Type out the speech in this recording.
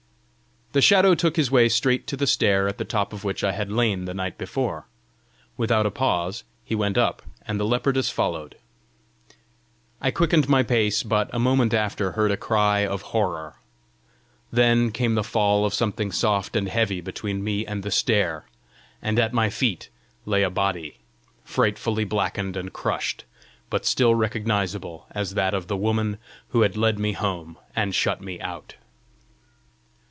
The Shadow took his way straight to the stair at the top of which I had lain the night before. Without a pause he went up, and the leopardess followed. I quickened my pace, but, a moment after, heard a cry of horror. Then came the fall of something soft and heavy between me and the stair, and at my feet lay a body, frightfully blackened and crushed, but still recognisable as that of the woman who had led me home and shut me out.